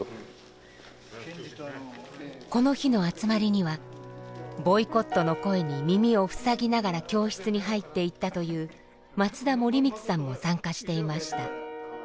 この日の集まりにはボイコットの声に耳を塞ぎながら教室に入っていったという松田盛光さんも参加していました。